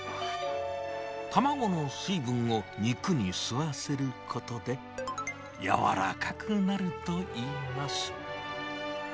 卵の水分を肉に吸わせることで、柔らかくなるといいます。